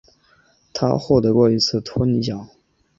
他获得过一次托尼奖。